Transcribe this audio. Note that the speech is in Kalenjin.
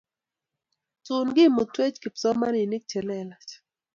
chun kimutwech kipsomoninik chelelach